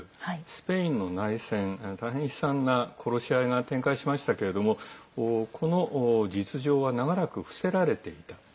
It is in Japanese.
スペインの内戦大変、悲惨な殺し合いが展開しましたけれどもこの実情は長らく伏せられていた。